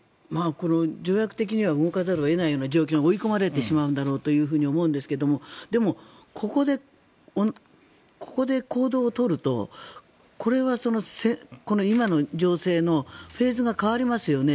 条約的には動かざるを得ないような状況に追い込まれてしまうんだろうと思うんですがでも、ここで行動を取るとこれは今の情勢のフェーズが変わりますよね。